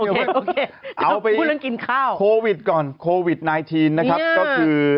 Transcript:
นี่เอาไปพูดเรื่องกินข้าวก่อนคอวิดไนทีนนะครับก็คือ